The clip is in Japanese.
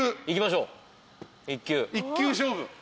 いきましょう１球。